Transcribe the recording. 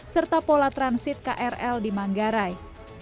serta pola transit krl di manggarai